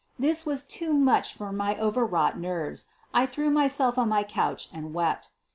This was too much for my overwrought nerves. I threw myself on my ©ouch and wept.